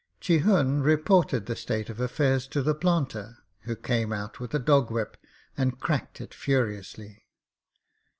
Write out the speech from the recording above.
Chihun reported the state of affairs to the planter, who came out with a dog whip and cracked it furiously.